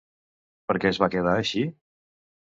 Per què es va quedar així?